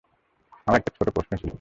আমার একটা ছোট্ট প্রশ্ন ছিল।